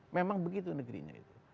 memang begitu negerinya itu